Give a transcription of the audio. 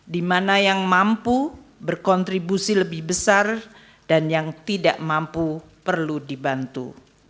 di mana yang mampu berkontribusi lebih besar dan yang tidak mampu perlu dibantu